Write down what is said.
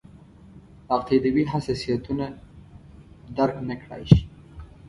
عقیدوي حساسیتونه درک نکړای شي.